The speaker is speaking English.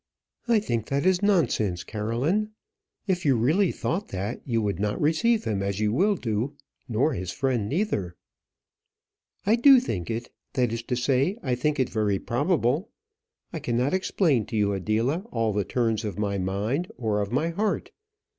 I think that is nonsense, Caroline. If you really thought that, you would not receive him as you will do, nor his friend neither." "I do think it; that is to say, I think it very probable. I cannot explain to you, Adela, all the turns of my mind, or of my heart.